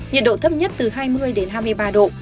nhiệt độ thấp nhất từ hai mươi đến hai mươi ba độ